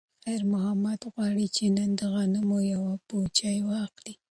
خیر محمد غواړي چې نن د غنمو یوه بوجۍ واخلي.